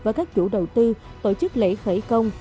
với các chủ đầu tư tổ chức lễ khởi công